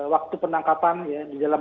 waktu penangkapan ya di dalam